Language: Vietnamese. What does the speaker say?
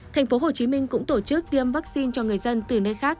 thành phố hồ chí minh cũng tổ chức tiêm vaccine cho người dân từ nơi khác